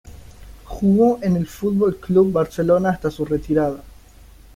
Jugó en el Fútbol Club Barcelona hasta su retirada.